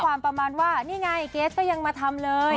ไปลงข้อความประมาณว่านี่ไงเกรสก็ยังมาทำเลย